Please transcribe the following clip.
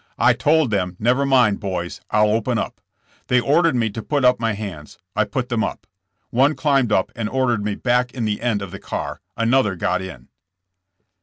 I told them never mind, boys, I'll open up. They ordered me to put up my hands. I put them up. One climbed up and ordered me back in the end of the car. Another got in.'